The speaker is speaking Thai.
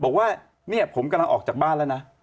บอกว่าเนี่ยผมกำลังออกจากบ้านแล้วนะ